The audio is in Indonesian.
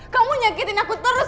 kamu nyakitin aku terus